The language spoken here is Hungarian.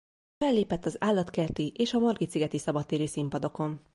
Fellépett az Állatkerti és a Margitszigeti Szabadtéri Színpadokon.